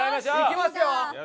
いきますよ！